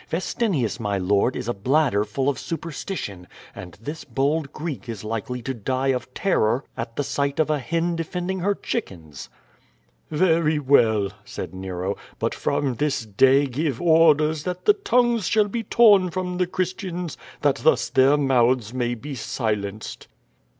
Vcstinius, my lord, is a bladder full of superstition, and this bokl Greek is likely to die of terror at the sight of a hen defending her chickens." "Very v.ell," said Nero; "but from this day give orders that the tongues shall be torn from the Christians, that thus their mouths may be silenced."